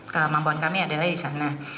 kemampuan kami adalah di sana